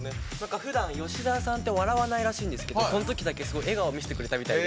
ふだん、笑わないらしいんですけどこのときだけすごい笑顔見せてくれたみたいで。